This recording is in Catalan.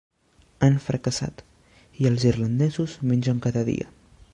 Han fracassat i els irlandesos mengen cada dia.